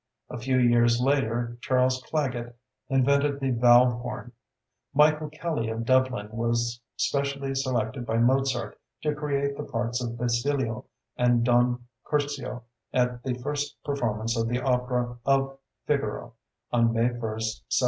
A few years later Charles Clagget invented the valve horn. Michael Kelly of Dublin was specially selected by Mozart to create the parts of Basilio and Don Curzio at the first performance of the opera of Figaro, on May 1st, 1786.